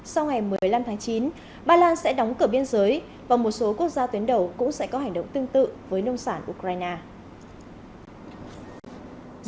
sau ngày một mươi năm tháng chín ba lan sẽ đóng cửa biên giới và một số quốc gia tuyến đầu cũng sẽ có hành động tương tự với nông sản ukraine